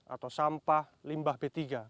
atau sampah limbah b tiga